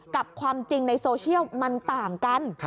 กับความจริงในโซเชียลมันต่างกัน